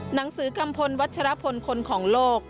หนังสือกัมพลวัชรพลคนของโลก